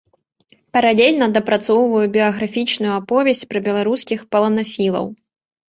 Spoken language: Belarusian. Паралельна дапрацоўваю біяграфічную аповесць пра беларускіх паланафілаў.